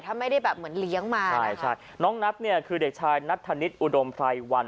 ถ้าไม่ได้แบบเหมือนเลี้ยงมาใช่ใช่น้องนัทเนี่ยคือเด็กชายนัทธนิษฐ์อุดมไพรวัน